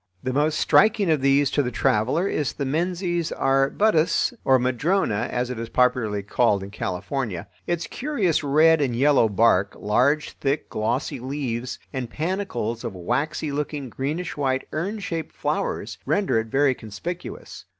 The most striking of these to the traveler is the Menzies arbutus, or madrona, as it is popularly called in California. Its curious red and yellow bark, large thick glossy leaves, and panicles of waxy looking greenish white urn shaped flowers render it very conspicuous.